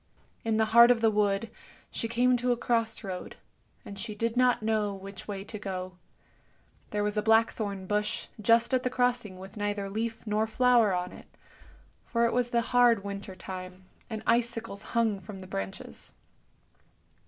In the heart of the wood she came to a cross road, and she did not know which way to go. There was a blackthorn bush just at the crossing with neither leaf nor flower on it, for it was the hard winter time, and icicles hung from the branches.